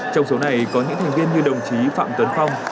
trong số này có những thành viên như đồng chí phạm tuấn phong